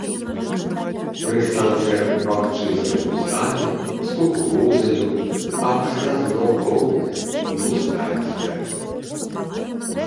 Пры станцыях бахчы з гарбузамі, з кукурузаю, а пасля зноў роўная, пустая стэп.